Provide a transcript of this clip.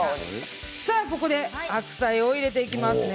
ここで白菜を入れていきますね。